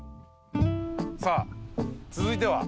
さあ続いては？